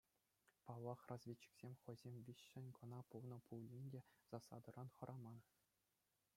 Паллах, разведчиксем — хӑйсем виҫҫӗн кӑна пулнӑ пулин те — засадӑран хӑраман.